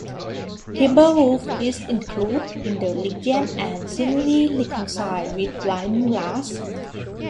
Timber Wolf is included in the Legion and seemingly reconciled with Lightning Lass.